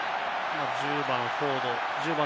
１０番・フォード。